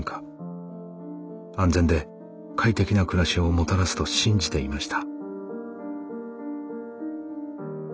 安全で快適な暮らしをもたらすと信じていました。